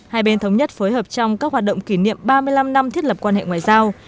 hai bên thống nhất phối hợp trong các hoạt động kỷ niệm ba mươi năm năm thiết lập quan hệ ngoại giao